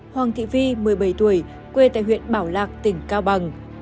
hoàng thị vi một mươi bảy tuổi quê tại huyện bảo lạc tỉnh cao bằng